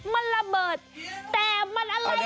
มันระเบิดแต่มันอะไร